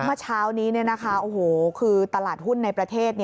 เมื่อเช้านี้นะคะโอ้โหคือตลาดหุ้นในประเทศ